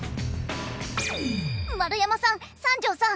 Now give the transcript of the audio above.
円山さん三条さん